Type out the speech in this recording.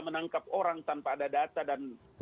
menangkap orang tanpa ada data dan